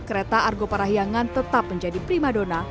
kereta argo parahyangan tetap menjadi prima dona